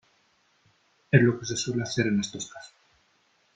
es lo que se suele hacer en estos casos .